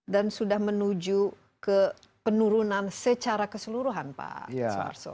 dan sudah menuju ke penurunan secara keseluruhan pak suarzo